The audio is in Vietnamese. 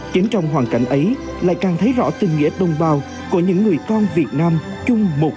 chính trong hoàn cảnh ấy lại càng thấy rõ tình nghĩa đồng bào của những người con việt nam chung một dòng máu đỏ da vàng